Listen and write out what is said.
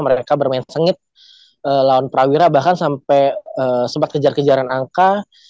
mereka bermain sengit lawan prawira bahkan sampai sempat kejar kejaran angka